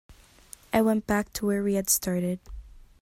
I went back to where we had started.